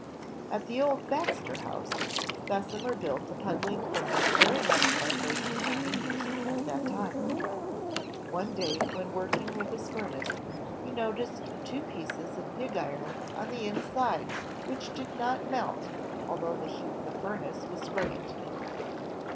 At the old "Baxter House," Bessemer built a puddling furnace very much like those in common use at that time. One day, when working with his furnace, he noticed two pieces of pig iron on the inside which did not melt, although the heat in the furnace was great.